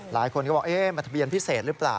หลายคนก็บอกเอ๊ะมันทะเบียนพิเศษหรือเปล่า